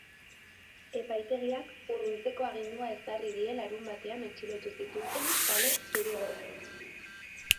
Epaitegiak urruntzeko agindua ezarri die larunbatean atxilotu zituzten zale zuri-gorriei.